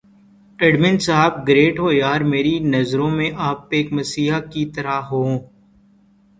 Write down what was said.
admin صاحب great ہو یار میری نظروں میں آپ ایک مسیحا کی طرح ہوں